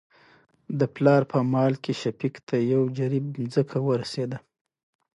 د پلار په مال کې شفيق ته يو جرېب ځمکه ورسېده.